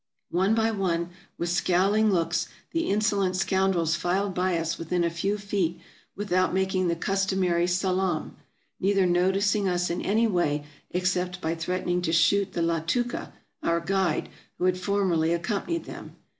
One by one, with scowling looks, the insolent scoun drels filed by us within a few feet, without making the cus tomary salaam ; neither noticing us in any way, except by threatening to shoot the latooka, our guide, who had formerly accompanied them.